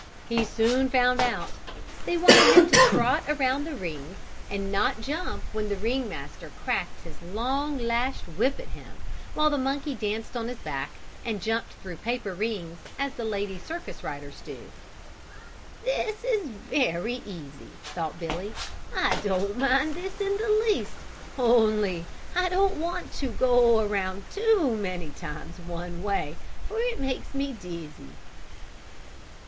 He soon found out. They wanted him to trot around the ring, and not jump when the ring master cracked his long lashed whip at him, while the monkey danced on his back and jumped through paper rings, as the lady circus riders do. "This is very easy," thought Billy, "I don't mind this in the least, only I don't want to go around too many times one way for it makes me dizzy."